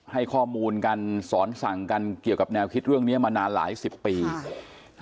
ให้ข้อมูลกันสอนสั่งกันเกี่ยวกับแนวคิดเรื่องเนี้ยมานานหลายสิบปีค่ะ